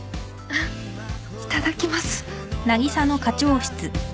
あいただきます。